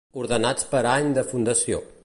Ordenats per any de fundació.